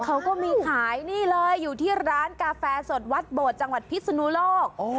เขาก็มีขายนี่เลยอยู่ที่ร้านกาแฟสดวัดโบดจังหวัดพิศนุโลก